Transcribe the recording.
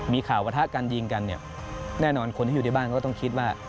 มีข่าวว่าถ้าการยิงกันแน่นอนคนที่อยู่ในบ้านก็ต้องคิดว่า